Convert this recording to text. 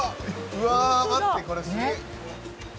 うわ待ってこれすげ。